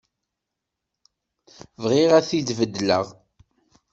Bɣiɣ ad t-id-beddleɣ.